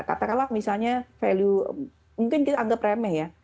katakanlah misalnya value mungkin kita anggap remeh ya